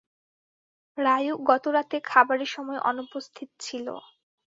রায়ু গত রাতে খাবারের সময় অনুপস্থিত ছিল।